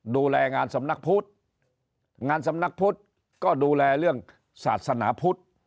ดูแลงานสำนักพุทธงานสำนักพุทธก็ดูแลเรื่องศาสนาพุทธ